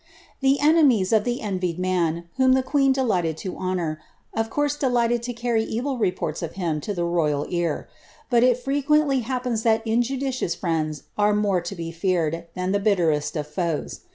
The enemies of the envied man, whom the queen delighted to honour, of course delighted to carry evil reports of him to the royal ear; but it frequently happens that injudicious friends are more to be feared than the bitterest of foes.